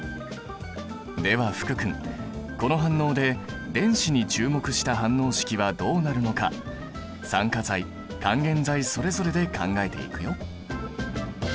では福君この反応で電子に注目した反応式はどうなるのか酸化剤還元剤それぞれで考えていくよ。